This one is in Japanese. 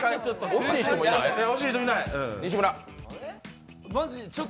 惜しい人もいない。